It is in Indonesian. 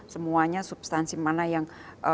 semuanya substansi mana yang